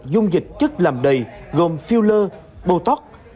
dung dịch chất làm đầy gồm filler botox